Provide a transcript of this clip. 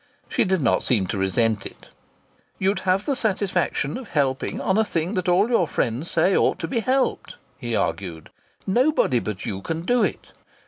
She did not seem to resent it. "You'd have the satisfaction of helping on a thing that all your friends say ought to be helped," he argued. "Nobody but you can do it.